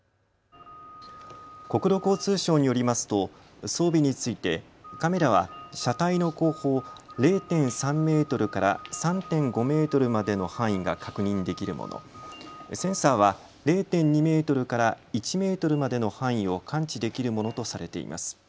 国土交通省によりますと装備について、カメラは車体の後方０．３メートルから３．５メートルまでの範囲が確認できるもの、センサーは０．２メートルから１メートルまでの範囲を感知できるものとされています。